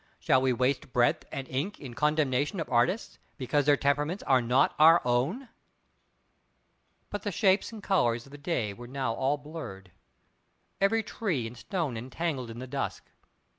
Shall we waste breath and ink in condemnation of artists, because their temperaments are not our own? But the shapes and colours of the day were now all blurred; every tree and stone entangled in the dusk.